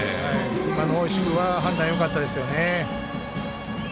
今の大石君は判断よかったですよね。